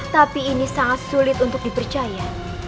tapi ini sangat sulit untuk dipercaya